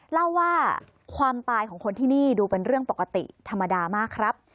เล่าว่าความตายของคนที่นี่ดูเป็นเรื่องปกติธรรมดามากครับ